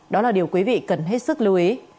đó là điều quý vị cần hết sức lưu ý